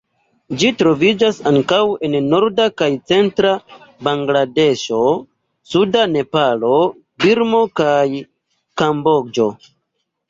Ĝi troviĝas ankaŭ en norda kaj centra Bangladeŝo, suda Nepalo, Birmo kaj Kamboĝo.